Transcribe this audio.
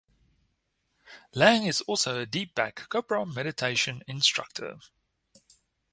Lang is also a Deepak Chopra meditation instructor.